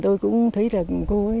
tôi cũng thấy là cô